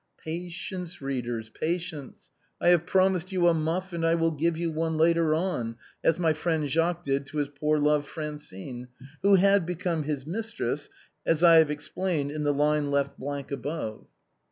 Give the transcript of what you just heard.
Patience, readers, patience. I have promised you a mufF, and I will give you one later on, as my friend Jacques did to his poor love Francine, who had become his mistress, as I have explained in the line left blank above.